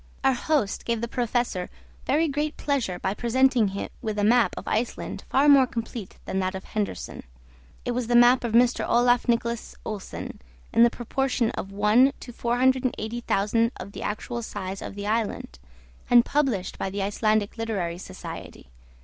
Our host gave the Professor very great pleasure by presenting him with a map of Iceland far more complete than that of Hendersen. It was the map of M. Olaf Nikolas Olsen, in the proportion of 1 to 480,000 of the actual size of the island, and published by the Icelandic Literary Society.